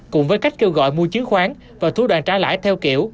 cùng với cách kêu gọi mua chứng khoán và thu đoàn trả lãi theo kiểu